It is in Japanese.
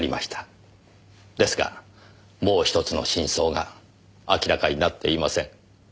ですがもうひとつの真相が明らかになっていません。